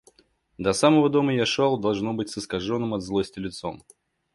До самого дома я шел, должно быть, с искаженным от злости лицом.